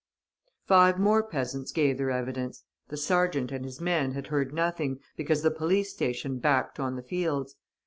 Five more peasants gave their evidence. The sergeant and his men had heard nothing, because the police station backed on the fields.